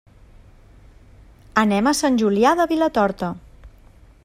Anem a Sant Julià de Vilatorta.